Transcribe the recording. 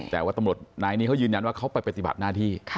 แต่ว่าตำรวจนายนี้เขายืนยันว่าเขาไปปฏิบัติหน้าที่